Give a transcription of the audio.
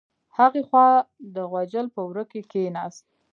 هغې خوا د غوجل په وره کې کیناست.